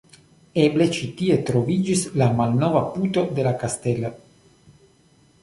Elbe ĉi tie troviĝis la malnova puto de la kastelo.